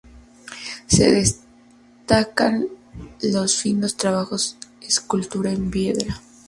Se destacan los finos trabajos de escultura en piedra.